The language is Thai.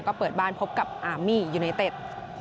ก็เปิดบ้านพบกับอาร์มี่ยูไนเต็ด